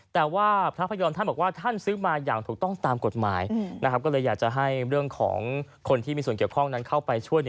แต่ว่าพระพยอมท่านบอกว่าท่านซื้อมาอย่างถูกต้องตามกฎหมายก็เลยอยากจะให้เรื่องของคนที่มีส่วนเกี่ยวข้องนั้นเข้าไปช่วย